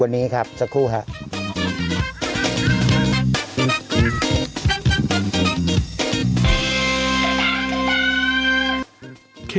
วันนี้ครับสักครู่ครับ